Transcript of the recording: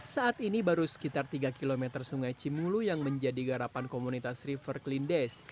saat ini baru sekitar tiga km sungai cimulu yang menjadi garapan komunitas river klindes